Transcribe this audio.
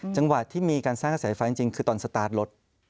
จังหวะที่มีการสร้างกระแสไฟจริงคือตอนสตาร์ทรถ